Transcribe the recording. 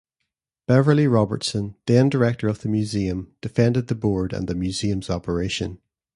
Beverly Robertson, then director of the museum, defended the board and the museum's operation.